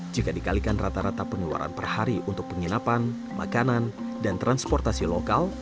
jika dikalikan rata rata penularan per hari untuk penginapan makanan dan transportasi lokal